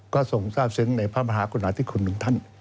ก็ทรงทราบเซ็นต์ในพระมหากุณหาขุนฐาน